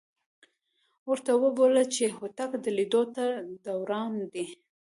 ورته وېویل چې هوتک د لیدو ته درروان دی.